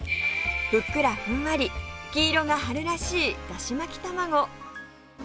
ふっくらふんわり黄色が春らしいだし巻き卵